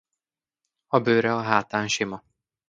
A bőre a hátán sima.